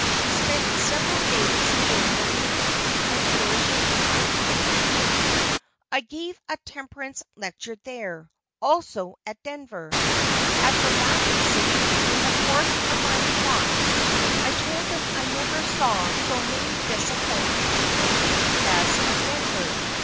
We spent several days in the new and flourishing town of Greeley. I gave a temperance lecture there; also at Denver. At the latter city, in the course of my remarks, I told them I never saw so many disappointed people as at Denver.